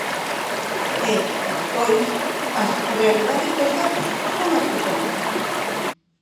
E, despois, as realidades dos datos son as que son.